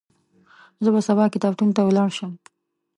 زه به سبا کتابتون ته ولاړ شم.